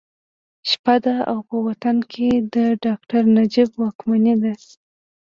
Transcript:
شپه ده او په وطن کې د ډاکټر نجیب واکمني ده